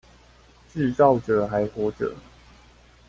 自造者還活著